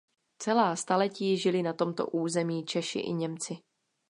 Celá staletí žili na tomto území Češi i Němci.